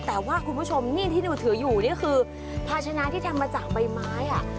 แต่ว่าคุณผู้ชมนี่ที่หนูถืออยู่นี่คือภาชนะที่ทำมาจากใบไม้